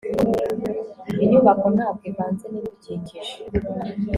inyubako ntabwo ivanze nibidukikije